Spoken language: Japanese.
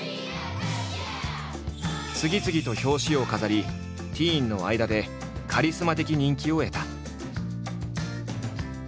次々と表紙を飾りティーンの間でカリスマ的人気を得た。